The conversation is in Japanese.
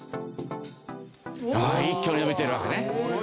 一挙に伸びてるわけね。